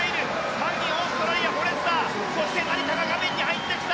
３位オーストラリアフォレスターそして成田が画面に入ってきた